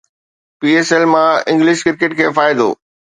P S L مان English cricket کي فائدو